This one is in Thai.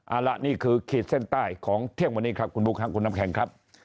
เอาละนี่คือขีดเส้นใต้ของเที่ยงวันนี้ครับคุณบุ๊คคุณน้ำแข็งครับ